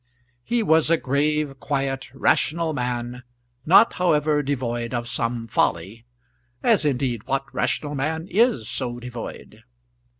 He was a grave, quiet, rational man, not however devoid of some folly; as indeed what rational man is so devoid?